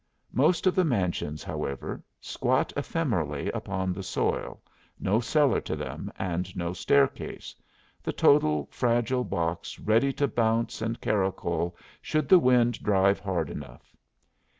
Most of the mansions, however, squat ephemerally upon the soil, no cellar to them, and no staircase, the total fragile box ready to bounce and caracole should the wind drive hard enough.